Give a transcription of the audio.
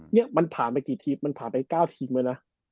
นี่มันผ่านไปกี่ทีมมันผ่านไป๙ทีมแล้วนะ